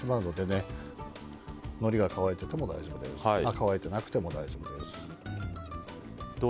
のりが乾いてなくても大丈夫です。